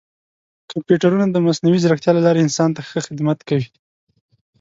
کمپیوټرونه د مصنوعي ځیرکتیا له لارې انسان ته ښه خدمت کوي.